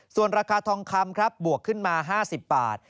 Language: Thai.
ส่วนราคาทองคำครับบวกขึ้นมา๕๐บาท